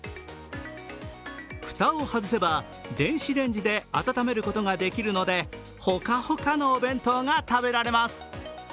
蓋を外せば電子レンジで温めることができるのでほかほかのお弁当が食べられます。